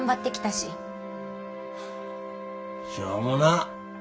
ハッしょうもな！